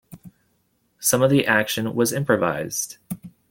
Some of the action was improvised.